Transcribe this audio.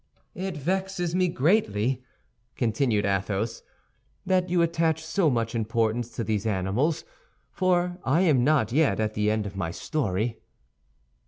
"It vexes me greatly," continued Athos, "that you attach so much importance to these animals, for I am not yet at the end of my story."